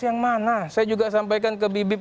yang mana saya juga sampaikan ke bip bip